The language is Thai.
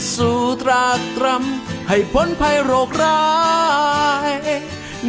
สู่ตรากรรมให้พ้นภัยโรคร้าย